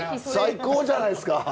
最高じゃないですか！